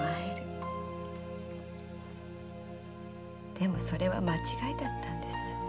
でもそれは間違いだったんです。